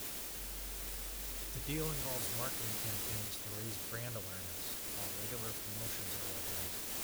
The deal involves marketing campaigns to raise brand awareness, while regular promotions are organised.